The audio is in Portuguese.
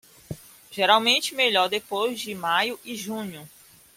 Geralmente melhor depois de maio e junho.